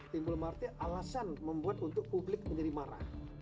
timbul martin alasan membuat untuk publik menjadi marah